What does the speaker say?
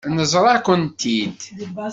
Neẓra-kent-id.